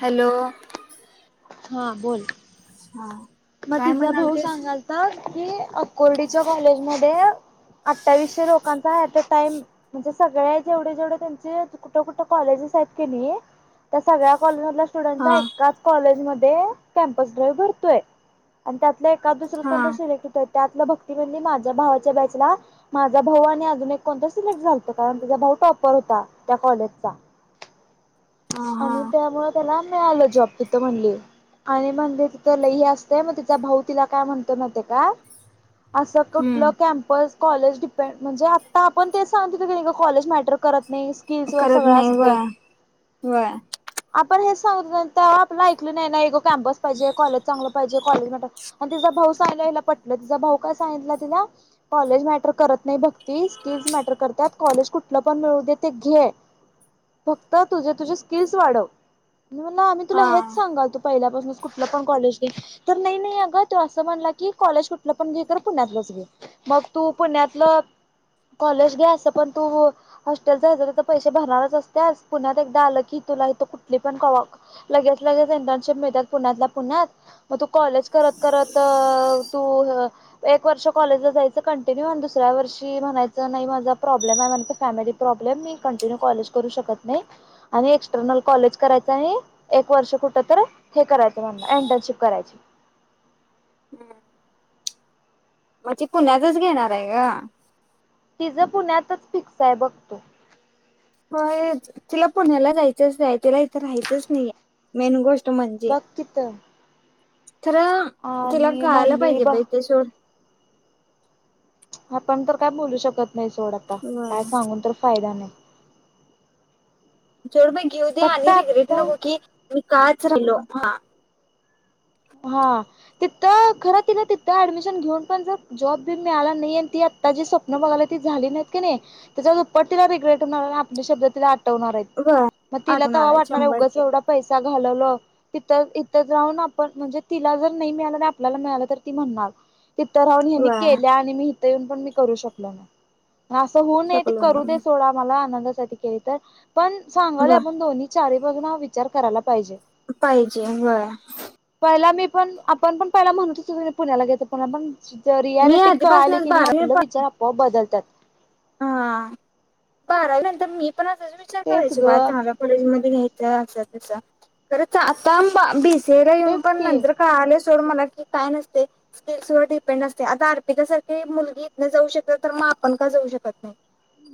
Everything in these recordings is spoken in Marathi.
हॅलो हा बोल मग काय तिचा भाऊ म्हणालतीस सांगाल तर की कोर्डीच्या कॉलेज मध्ये अठ्ठावीसशे लोकां ऍट अ टाइम म्हणजे सगळे जेवढे जेवढे त्यांचे कुठ कुठ कॉलेजेस आहेत की नाही त्या सगळ्या कॉलेज हा सगळ्यांचा एकाच कॉलेज मध्ये कॅम्पस डे भरतोय नाही का दुसरं हा कोणत सिलेक्ट त्यात भक्ती म्हणजे माझ्या भावाच्या बॅचला माझा भाऊ आणि अजून एक कोणता सिलेक्ट झातो कारण तुझ भाऊ टॉपर होता त्या कॉलेजचा हा हा आणि त्यामुळ त्याला मिळालं जॉब तिथं म्हणली आणि म्हणजे तिथं लही असते मग तिचा भाऊ तिला काय म्हणतो माहिती आहे का असं हम्म कुठलं कॅम्पस कॉलेज डिपेंड म्हणजे आता आपण तेच सांगत होतो की ग नाही का कॉलेज मॅटर करत नाही स्किल्स वर सगळं असते वय आपण हे सांग आपला ऐकल नाही नाही कॅम्पस चांगल पाहिजे कॉलेज चांगलं पाहिजे कॉलेज ला टाक आणि तिचा भाऊ सांगितल्यावर तिला पटल तिचा भाऊ काय सांगितला तिला कॉलेज झालं तर मॅटर करत कॉलेज कुठ पण मिळ दे ते घे फक्त तुझी तुझी स्किलस वाढव आम्ही तुला हा हेच सांगालतो पहिला बस कुठलं पण कॉलेज घेल तर नाही नाही अगं तो असं म्हणला की कॉलेज कुठलं पण घे पुण्यातलच घे मग तू पुण्यातलं कॉलेज घ्या अस पण तू हॉस्टेल जायच तर पैसे भरणारच असतेस पुण्यात एकदा आलं की तुला इथ कुठली पण क लगेच लगेच इंटर्नशिप मिळतात पुण्यातल्या पुण्यात मग तू कॉलेज करत करत तू एक वर्ष कॉलेजला जायचं कंटिन्यू आणि दुसऱ्या वर्षी म्हणायचं नाही माझा प्रोब्लेम आहे म्हणून फॅमिली - प्रोब्लेम नाही कंटिन्यू कॉलेज करू शकत. आणि एक्सटर्नल कॉलेज करायच आणि एक वर्ष कुठ तर हे करायच म्हणुनअंदा - छप करायची - हम्म म्हणजे पुण्यातच घेणार आहे ग - तिझं पुण्यातच फिक्स हाय बघतो. होय तिला पुण्याला जायचंच तिला इथं राहाचच नाही मेन गोष्ट - बघ की तर - तर तिला कळाला पाहिजे ब बाई ते सोड - आपण तर काय बोलू शकत नाही सोड आता काय सांगून तर फायदा नाही. तेवढ मग घेऊ दे फक्त आणि र रीघ रीट आता नको बाई की काच राहिलो हां - हा तिथं खर तिन तिथ ऍडमिशन घेऊन पण जर जॉब बी मिळाला नाही ती - आता जी स्वप्न बगाल्या ती झाली नाहीती किणी त्याच्या दुप्पट तिला रिग्रेट होणार आणि आपली शब्द ति - आठवणार आहेत व्हय मग तिला आठवून तेंव्हा आलाय वाटणार शंभर उगाच टक्के येवढा पैसा - घालवलं तथ इथच राहून - पण म्हणजे तिला जर नाही मिळालं आपल्याला मिळालं तर ती म्हणणार तिथ राऊन यांनी व्हय केल्या आणि मी - येऊन पण मी करू शकलो नाही असं होऊ नये ती शकलो ना करू मी दे सोडा मला आनंद - आनंद च आहे ती केली तर पण सांगलोय व्हय आपण दोन्ही चार बाजून विचार करायला पाहिजे. पाहिजे होय! पहिला मी पण आपण पण पहिला म्हणतच पुण्याला घेत प पण - मी रियालिटी क आली आधीपासूनच की नाही बारावी आपलं विचार आपोआप बदलतात. हा बारावी नंतर मी पण असाच विचार तेच करायचो ग बा चांगल्या कॉलेजमध्ये - [unintelligible] खरंच आता अंब बी सी ए येऊन तेच पण की नंतर कळलच! सोड म्हणाले की काय नसतय स्किल्स वर डिपेंड असतय अर्पिता सारखी मुलगी इथन जाऊ शकते तर मग - आपण का जाऊ शकत नाही.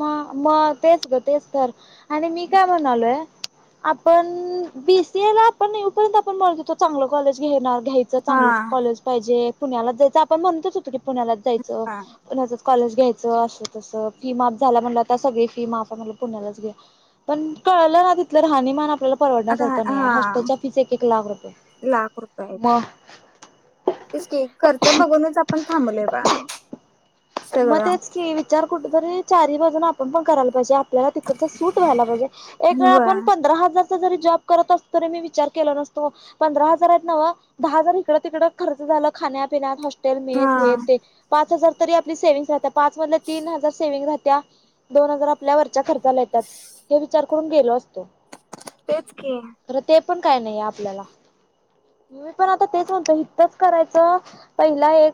म मग तेच ग तेच तर आणि मी काय म्हणालोय! आपण बी सी ए ला आपण येऊपर्यंत आपण म्हणत होतो चांगलं कॉलेज घेणार - घ्यायचं हा चांगलं कॉलेज पाहिजे पुण्याला जायचं आपण म्हणत होतो की पुण्याला जायचं हा पुण्याच - कॉलेज घ्यायचं असं तसं - फी माफ झा म्हण आता सग फी माफ पुण्यालाच घ्या पण कळलं ना ति रहाणीमान आपल्याला - आता परवडण्यासारखं नाही हा हॉस्टेलच्या फीस एक- एक लाख रुपये लाख रुपये आहेत मग - तेच के खर्च बघूनच आपण थांबलय बा - मग तेच की विचार कुठ तरी चार बाजून आपण पण करायला पाहिजे. आपल्याला तिकड सूट व्हायला पाहिजे एक वे आपण बर पंधरा हजार - जरी जॉब करत असतो तरी मी विचार केलो नसतो पंधरा हजार आहेत नव दहा हजार इकडं तिकडे खर्च - ला खापिण्यात हॉस्टेल -. हा मेस हे ते पाच हजार तर आपली सेविंग राहत्या तीन हजार सेविंग राह -. त्या दोन हजार आपल्या वरच्या खर्चाला येतात हे विचार करून गेलो अस.. [unintelligible] तेच की. ते पण काय नाही आपल्याला -. मी पण आता तेच म्हणतो इथच करायचं पहिला एक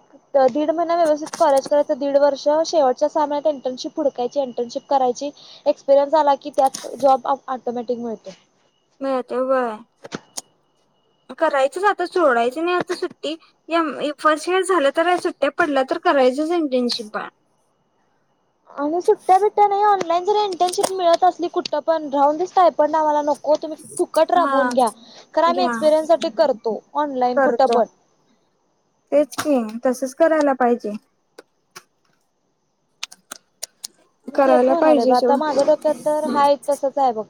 दीड महिना व्यवस्थित करायच! दीड वर्ष शेवटच्या सहा महिन्यात इंटर्नशिप हूडकायची इंटर्नशिप करायची एक्परयन्स आला की त्या - जॉब ऑटोमॅटिक मिळतो. [unintelligible] [inaudible] करायचच आता सोडायच नाही आता सुट्टी फर्स्ट एअर झाला तर या सुट्ट्या पडल्या तर कराय - [inaudible] [inaudible] आणि सुट्ट्या बिट्ट्या नाही ऑनलाईन जर इंटर्नशिप मिळत असली कुठं पण राहून दिस काय पण आम्हाला नको - हो तुम्ही फुकट हा राबवून घ्या खर आम्ही घ्या एक्सपिरियन्ससाठी करतो ऑनलाईन कुठं करतो पण. [inaudible] तेच की तसच करायला पाहिजे. मी तेच करायला म्हणावले ब पाहिजे शो आता माझ्या डोक्यात तर हाय तसच आहे बघ.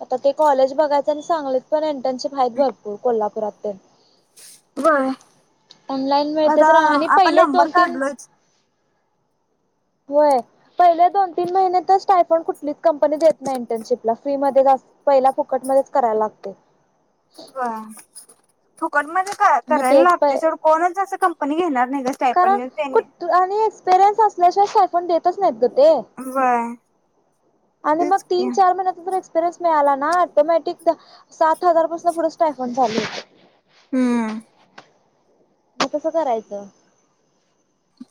आता ते कॉलेज बघायच आणि सांगलेत पण इंटर्नशिप आहेत भरपूर कोल्हापुरात तेन. बर ऑनलाइन मिळते आता तर राहा आणि आपण पहिले नंबर दोन तीन [inaudible] काढलोयच होय. पहिले दोन तीन महिने तर स्टायफॉन कुठलीच कंपनी देत नाही इंटर्नशिपला फ्री म पहिला फुकट करायाला लागते. ब फुकट म का मग करायला तेच प लागतेवढ कोणाच असं कंपनी घेणार नाही ग कारण स्टायपंड त्यांनी कुठ आणि एक्सपिरियन्स असल्याशिवाय सायफोन देतच नाही. बाय. आणि मग तीन चार महिन्याचा एक्सपिरिय्स मिळाला ना ऑटोमॅटिक सात हजारपासून पुढं स्टायफन चालू होत. हम्म. मग कसं करायचं?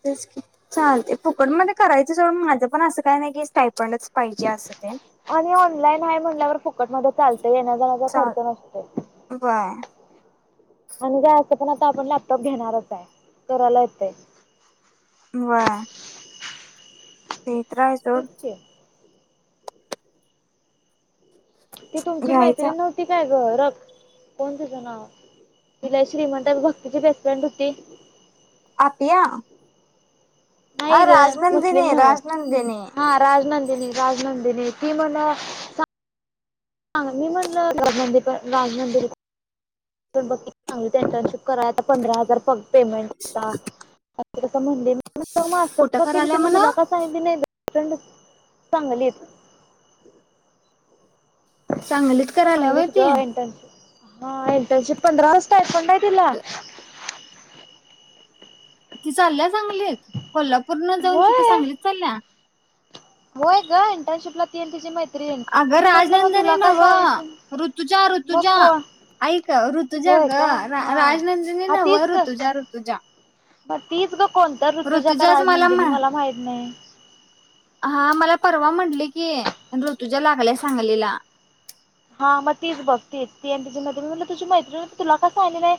तेच की चालते फुकट मध्ये करायच सवड माझं पण असं काय नाही की स्टायपंडच पाहिजे असं ते आणि ऑनलाईन आहे म्हणल्यावर खूप ककट मध्ये चालत येण्याजण्याचा चाल खर्च नसतोय. व्हय आणि काय असं पण आता आपण लॅपटॉप घेणारच आहे कराला येतय. व्हय. ते तर आहेच सोड. तेच की ती तुमची मैत्री घ्यायचा नव्हती काय घरख कोण तिचं नाव? तिला श्रीमंत भक्तीची बेस्ट फ्रँड होती. आतया. हायग मुस्लीिम नव्हं राजनंदिनी हा राजनंदनी. राजनंदिनी तीन म्हण मी म्हणलं [inaudible] [inaudible] [inaudible] कराला पंधरा हजार पेमेंट हाय ते असं म्हणली. त जग मग कुठं हस्तक केली करायला त्याना म्हणा तुला का सांगीतली नाही. सांगलीत. सांगलीत करायला चांगली व्हय हाईट ती ग इंटर हा एटशिप पंधरा दिस्त आयफणयतीला. ती चालल्या सांगलीत कोल्हापूर न जाऊन तिथ होय सांगलीत चालल्या. होय इंटर्नशिपला ती आणि तिजी मैत्रीण. अगं मी म्हणलं मग राजनंदनी तुला का नवं सांगितलं ऋतुज्या मग ऋतुज्या. कोण ऐ का ऋतुजा होय ग का हा राजनंदिनी हा नव तीच ग ऋतुजा ऋतुजा. मग तीच ग कोणत ऋतुजा का राजमंदिनी मला माहित नाही. हा मला परवा म्हंटली की ऋतुजा लागल्या सांगलेला. हा मग तीच बघती ती आणि तझी मैत्री म्हनाली तुझी मैत्रीण तुला कास सांगली नाही?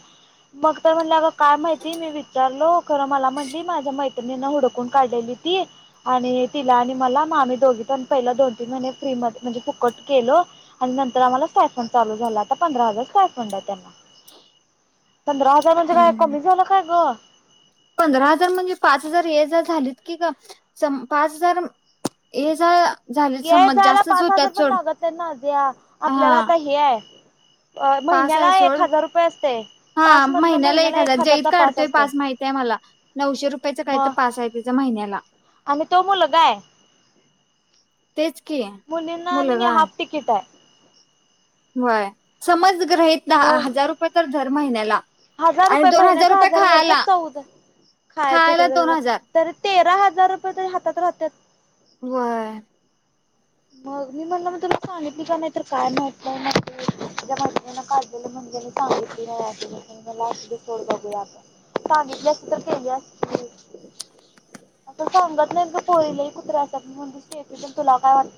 मग तर म्हटलं अगं काय माहिती मी विचारलो खरं मला म्हटली माझ्या मैत्रिणीनं हुडकून काढलेली. आणि तिला आणि मला आम्ही दोघी पण पहिला दोन तीन महिने फ्री म म्हणजे फुकट केलो. आणि नंतर आम्हालाच सायफंड चालू झाला आता पंधरा हजार सायफंड आहे त्यांना. पंधरा हजार म्हणजे काय हम्म कमी झालं काय ग? पंधरा हजार म्हणजे पाच हजार ये जर झालीत की ग पाच हजार ये जा. याय जायला पाच हजार पण लागत नाही नाझिया आपल्याला हा आता हे आहे. पास आहे महिन्याला एक सोड हजार रुपये असते हा पास मधन महिन्याला एक हजार हजारचा जत काढतोय असतो पास माहिती आहे मला. नऊशे रुपयाच काय तर मग पास आहे तुझ महिन्याला. आणि तो मुलगा हाय. तेच की मुलीना आणि हाफ तिकिट आहे. व्हय समज ग्रहित मग हजार रुपये तर धर महिन्याला. हजार आणि रुपये दोन महिन्याचं रुपये हजार वरचं खायला चौद खायचं खायला इकडे दोन तिकडे हजार तरी तेरा हजार रुपये तरी हातात राहत्यात. व्हय. मग मी म्हणलं म तुला सांगितली का नाही तर काय माहित बाय म्हटली तिच्या मैत्रिणीनं काढलेलं. सांगितली नाही असं मी म्हटलं असुदे सोड बघूया आपण सांगितली असती तर केली असतीस.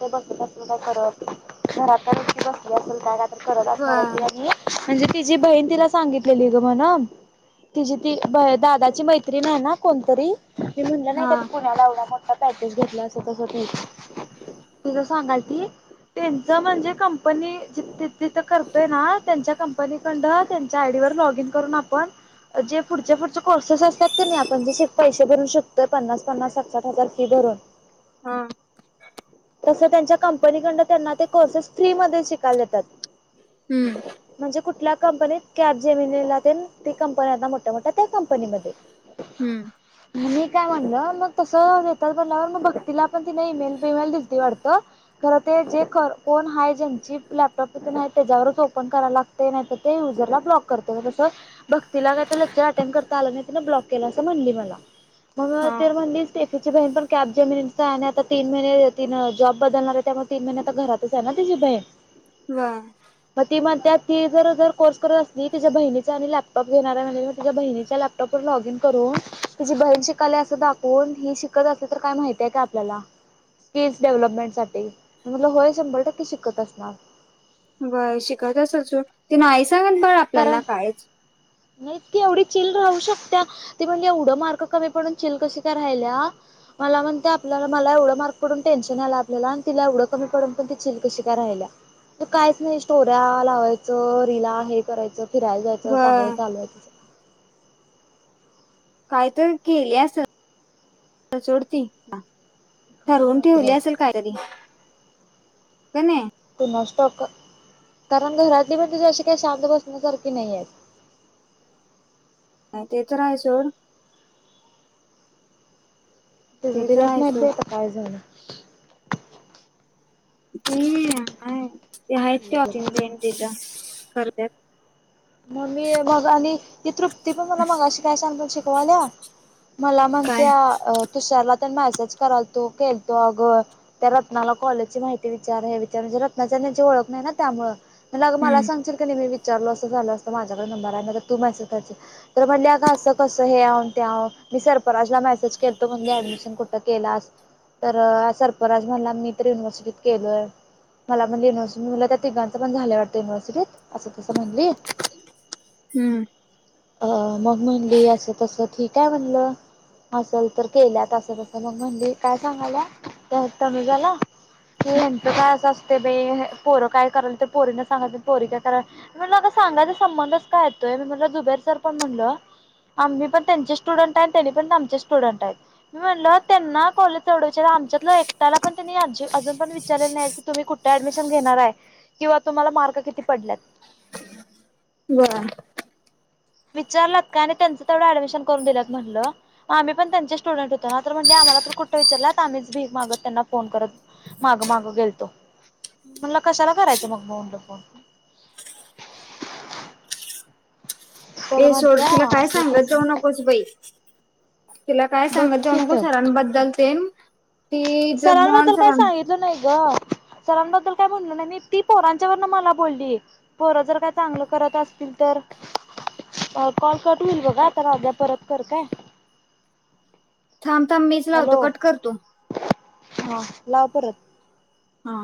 [unintelligible] बसत असल काय करत घरात काय नुसती बसली असल घरात. काय तर करत असणार आहे वय तिला म्हणजे तिची बहीण तिला सांगितलेली गं म्हणं. तिची ती दादाची मैत्रीण आहे ना कोणतरी. मी म्हणलं नाही हा का तू पुण्याला एवडा मोठा पॅकेज घेतला असं तसं ती. तुझं सांगालती त्यांच म्हणजे कंपनी जिथं करतोय ना त्यांच्या कंपनीकंड त्यांच्या आयडी लॉग इन करुन आपण जे पुढचे पुढचे कोर्सेस असतात की नाही आपण जे पैसे भरु शकतो पन्ना, पन्नास, साठ, साठ हजार फी भ करून हा. [inaudible] तसं त्यांच्या कंपनीकंड त्यांना ते कोर्सेस फ्री मध्ये शिकायला येतात. हम्म [inaudible] म्हणजे कुठल्या? कंपनीत कॅब जेमिनीला तेन ती कंपनी आता मोठ्या-मोठ्या त्या कंपनीमध्ये. हम्म. मी काय म्हणलं मग तसं नेतात म्हंटल्यावर मग भक्तीलापण तिने ईमेल बिमेल दिल. वाटतं खरं ते जे कोण आहे ज्यांची लॅपटॉप तेन आहेत त्याच्यावरच ओपन करायला लागते. नाहीतर ते युजरला ब्लॉक करतील तसं भक्तीला काय ते लेक्चर अटेंड करता आलं नाही त्यांनी ब्लॉक केलंय असं. म्हटली मला मग हा ते म्हटली टेकिची बहिण पण कॅब जेमिनी आ तीन महिने तीन जॉब बदलणार आहे त्यामुळे तीन महिने आता घरातच आहे ना तिची बहीण. बर. [inaudible] त्यात ती जर जर कोर्स करत असली तिच्या बहिणीचा आणि लॅपटॉप घेणाऱ्या म्हणज त्याच्या बहिणीच्या लॅपटॉपवर लॉग इन करून तिची बहिण शिकाल्या असं दाखवून ही शिकत असली तर काय माहितीय काय आपल्याला. स्किल्स डेव्हलपमेंट साठी म्हटलं होय शंभर टक्के शिकत असणार. बर शिकतच असल सोड ति नाही सांगत बर आपल्याना काहिच. नाही ती एवढी चिल राहू शकत्या ती म्हणजे एवढं मार्क कमी पडून चिल कशी काय राहिल्या. मला म्हणतीया आपल्याला मला एवढं मार्क पडून टेन्शन आला आपल्याला आणि तिला एवढं कमी पडून पण ती चिल कशी काय राहिली. कायच नाही स्टोर्या लावायचं रिला हे करायचं. फिरायला जायचं चांगलं वय चालूय तिचं. काय तर केली असल [inaudible] सोडतीला. काय ठरवून माहित बाई ठेवली असेल कायतरी तीन कणि. कोणास ठाउक. कारण घरातली पण तिच्या अशी काही शांत बसण्यासारखी नाहीयेत. [inaudible] ते तर आहे सोड. तिचं ते तर तिलाच आहे माहित सोड बई आता काय झालं? हम्म काय ते आहेत की [unintelligible] करत्यात. मग मी मग आणि ती तृप्ती पण मला मगाशी काय सांग पून शिकवाल्या. मला काय म्हणत्या अ तुषारला तेन मेसेज करालतो केलतो अगं त्या रत्नाला कॉलेजची माहिती विचार हे विचार म्हणजे रनाच्या त्यांची ओळख नाही ना त्यामुळं मी म्हटलं अगं मला हम्म सांगशील कि नाही मी विचारलो असतो. मी विचारलं असतं माझ्याकडे नंबर आहे नायतर तू मॅसेज करशील. तर म्हटली अगं असं कसं हॅंव-तॅंव [unintelligible] फराराजला मॅसेज केलतो म्हणली ॲडमिशन कुठं केलास? तर सर्फराज म्हणला मी तर युनिव्हर्सिटीत केलोय. मला म्हणली युनिव्हर्सिटीत. मी म्हणलं त्या तिघांच पण झालंय वाटतं युनिव्हसिटीत अस तसं म्हणली. [inaudible] हुं. अ मग म्हणली असं तसं ठीक आहे म्हणलं. असल तर केल्यात असं तसं मग म्हणली काय सांगाल्या त्या तनुजाला ते हेंच काय अस ते बाई पोरं काय कराल ते पोरीना सांगायचं आणि पोरी काय कराल सांगायचा संबंधच काय येतोय नाय मी म्हणलं दुबेर सर पण म्हणलं आम्ही पण त्यांचे स्टुडंट आहे त्यांनी पण त्यांचेच स्टुडंट आहे मी म्हटल त्यांना कॉलेज तेवढं आमच्यातलं एकट्याला पण त्यांनी अर्चे अजून विचारलं नाही की तुम्ही कुठं ॲडमिशन घेणार हाय? किंवा तुम्हांला मार्क किती? पडल्यात वा विचारलात का आणि त्यांचं तेवढं ऍडमिशन करून दिलंत म्हटलं मग आम्ही पण त्यांचे स्टुडंट हुतो ना? तर म्हणली आम्हांला तर कुठ विचारल्यात आम्हीच भीक मागत त्यांना फोन करत माग माग गेलतो म्हणला कशाला करायचं मग म्हणलं फोन तर ए सोड म्हणत्या तिला काय असं सांगात तसं जाऊ नकोस बाई तिला काय बघ सांगत जाऊ की नको तर सरांबद्दल तेन सरांबद्दल काय सांगितलं नाही ग सरांबद्दल काय म्हणलं नाही मी ती पोरांच्यावरन मला बोलली पोरं जर काय चांगलं करत असतील तर कॉल कट होईल बघा आता दाद्या परत कर काय [inaudible] थांब थांब मीच लावतो हॅलो कट करतो हा लाव परत हा